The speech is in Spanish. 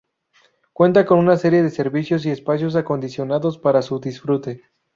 Cuenta con una serie de servicios y espacios acondicionados para su disfrute.